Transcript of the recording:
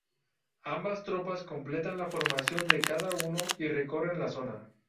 Ambas tropas completan la formación de cada uno, y recorren la zona.